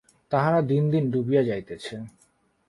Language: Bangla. তাহারা দিন দিন ডুবিয়া যাইতেছে।